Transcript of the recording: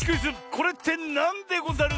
「これってなんでござる」